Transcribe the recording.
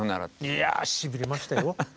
いやあしびれましたよ。